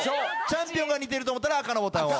チャンピオンが似てると思ったら赤のボタンを。